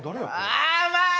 ああ、うまい！